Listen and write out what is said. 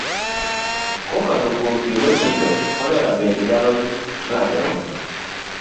Kokalo kuom pi mochido, kolera bende nyalo landore.